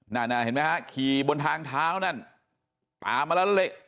นั่นน่ะเห็นไหมฮะขี่บนทางเท้านั่นตามมาแล้วเละ